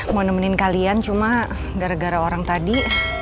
mau nemenin kalian cuma gara gara orang tadi